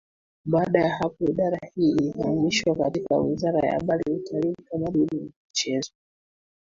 Baada ya hapo Idara hii ilihamishwa katika Wiraza ya Habari Utalii Utamaduni na Michezo